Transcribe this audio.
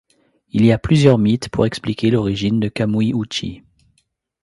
Il y a plusieurs mythes pour expliquer l'origine de Kamuy-huchi.